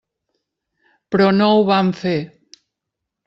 Però no ho van fer.